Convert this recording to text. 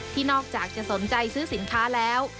นอกจากจะสนใจซื้อสินค้าแล้ว